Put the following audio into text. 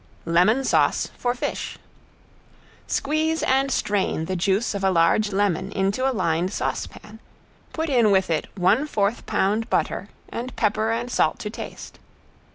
~LEMON SAUCE FOR FISH~ Squeeze and strain the juice of a large lemon into a lined saucepan, put in with it one fourth pound butter and pepper, and salt to taste.